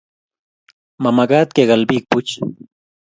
Mamagat kekal piik puch